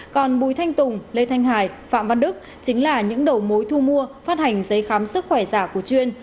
còn bùi thanh tùng lê thanh hải phạm văn đức chính là những đầu mối thu mua phát hành giấy khám sức khỏe giả của chuyên